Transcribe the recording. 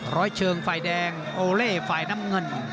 ร้อยเชิงไฟล์แดงโอเล่ไฟล์น้ำเงิน